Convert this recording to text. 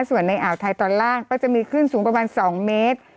ส่วนในอ่าวไทยตอนล่างก็จะมีคลื่นสูงประมาณ๒เมตร